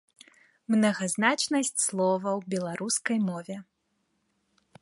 Мнагазначнасць слова ў беларускай мове.